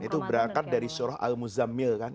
itu berangkat dari surah al muzamil kan